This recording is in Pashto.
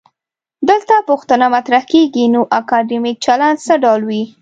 دلته پوښتنه مطرح کيږي: نو اکادمیک چلند څه ډول وي؟